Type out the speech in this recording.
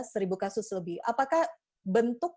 seribu kasus lebih apakah bentuk